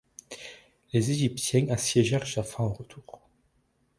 Les Égyptiens assiégèrent Jaffa en retour.